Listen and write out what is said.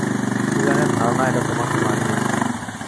সুজানের ধারণা এটা তোমাকে মানিয়েছে।